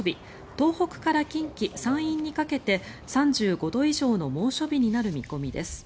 東北から近畿、山陰にかけて３５度以上の猛暑日になる見込みです。